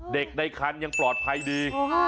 เด็กในครั้นยังปลอดภัยดี